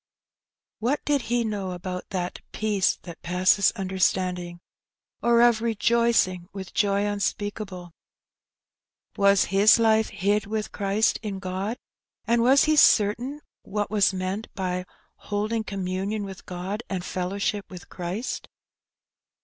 What did he know about that ^^ peace that passeth understanding,^' or of '^rejoicing with joy unspeakable^^? Was his life "hid with Christ in God,'' and was he certain what was meant by " holding communion with God and fellowship with Christ